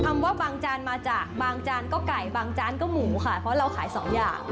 คำว่าบางจานมาจากบางจานก็ไก่บางจานก็หมูค่ะเพราะเราขายสองอย่าง